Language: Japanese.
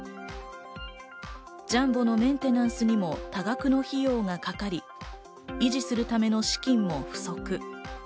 ジャンボのメンテナンスにも多額の費用がかかり、維持するための資金も不足。